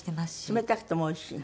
冷たくてもおいしい？